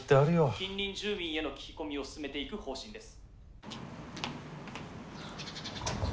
「近隣住民への聞き込みを進めていく方針です」。